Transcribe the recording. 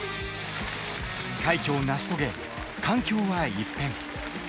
快挙を成し遂げ、環境は一変。